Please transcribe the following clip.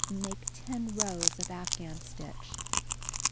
Make 10 rows of afghan stitch.